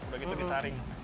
udah gitu disaring